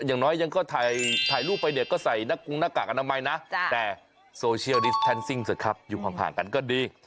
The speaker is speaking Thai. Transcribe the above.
อย่างน้อยยังก็ถ่ายรูปไปเนี่ยก็ใส่หน้ากงหน้ากากอนามัยนะแต่โซเชียลดิสแทนซิ่งเถอะครับอยู่ห่างกันก็ดี